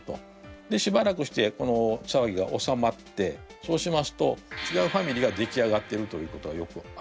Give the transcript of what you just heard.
でしばらくしてこの騒ぎが収まってそうしますと違うファミリーが出来上がってるということはよくあります。